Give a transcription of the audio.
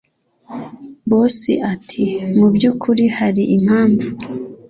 boss ati”mubyukuri hari impamvu